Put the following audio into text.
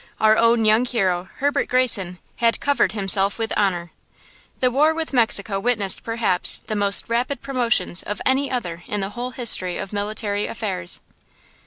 Our own young hero, Herbert Greyson, had covered himself with honor. The War with Mexico witnessed, perhaps, the most rapid promotions of any other in the whole history of military affairs.